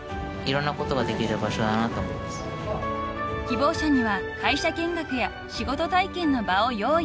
［希望者には会社見学や仕事体験の場を用意］